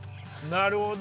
なるほど。